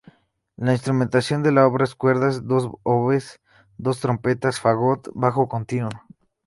La instrumentación de la obra es: cuerdas, dos oboes, dos trompas, fagot, bajo continuo.